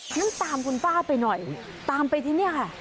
งั้นตามคุณป้าไปหน่อยตามไปที่นี่ค่ะ